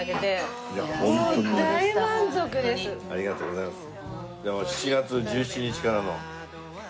ありがとうございます。